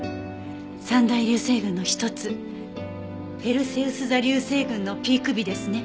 三大流星群の一つペルセウス座流星群のピーク日ですね。